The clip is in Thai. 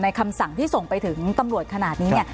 ในคำสั่งที่ส่งไปถึงตำรวจขนาดนี้